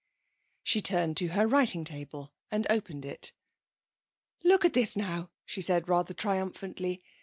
She turned to her writing table and opened it. 'Look at this, now,' she said rather triumphantly.